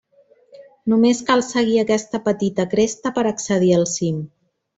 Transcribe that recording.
Només cal seguir aquesta petita cresta per accedir al cim.